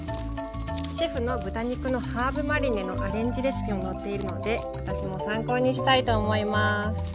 シェフの豚肉のハーブマリネのアレンジレシピも載っているので私も参考にしたいと思います。